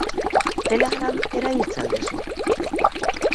Telegram erabiltzen al duzu?